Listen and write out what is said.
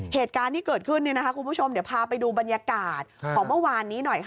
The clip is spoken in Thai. เหตุการณ์ที่เกิดขึ้นคุณผู้ชมเดี๋ยวพาไปดูบรรยากาศของเมื่อวานนี้หน่อย